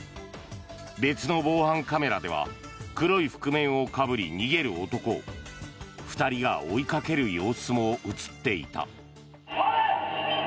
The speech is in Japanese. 別の防犯カメラでは黒い覆面をかぶり逃げる男を２人が追いかける様子も映っていた。